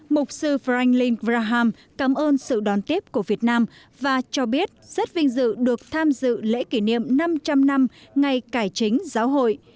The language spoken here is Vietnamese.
mục sư frank link praham cảm ơn sự đón tiếp của việt nam và cho biết rất vinh dự được tham dự lễ kỷ niệm năm trăm linh năm ngày cải chính giáo hội